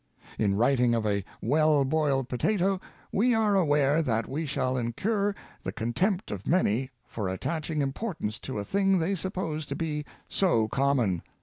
In writ ing of a well boiled potato, we are aware that we shall incur the contempt of many for attaching importance to a thing they suppose to be so common.